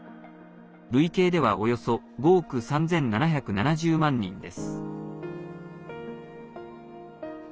累計ではおよそ５億３７７０万人です。